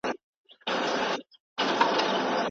د ټولني مصلحت بايد لومړيتوب ولري.